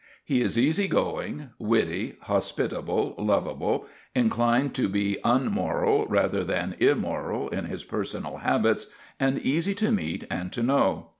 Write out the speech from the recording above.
He is easy going, witty, hospitable, lovable, inclined to be unmoral rather than immoral in his personal habits, and easy to meet and to know.